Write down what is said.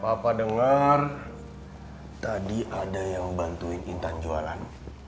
papa dengar tadi ada yang bantuin intan jualan